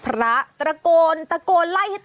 บ้าจริงเดี๋ยวเดี๋ยวเดี๋ยว